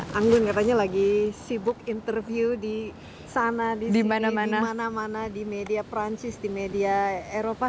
makanya lagi sibuk interview di sana di sini di mana mana di media perancis di media eropa